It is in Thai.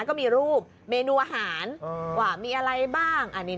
แล้วก็มีรูปเมนูอาหารมีอะไรบ้าง